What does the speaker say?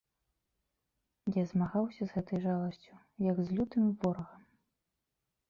Я змагаўся з гэтай жаласцю, як з лютым ворагам.